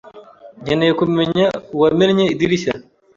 nkeneye kumenya uwamennye idirishya.